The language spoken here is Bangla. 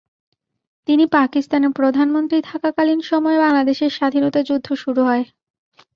তিনি পাকিস্তানের প্রধানমন্ত্রী থাকাকালীন সময়ে বাংলাদেশের স্বাধীনতা যুদ্ধ শুরু হয়।